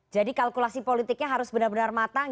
jadi kalkulasi politiknya harus benar benar matang